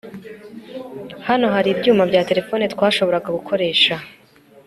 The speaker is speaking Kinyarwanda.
Hano hari ibyumba bya terefone twashoboraga gukoresha